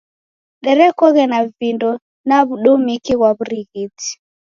Derekoghe na vindo na w'udumiki ghwa w'urighiti.